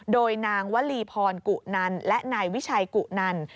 โดยนางวลีพรกุนันและนายวิชัยกุนัน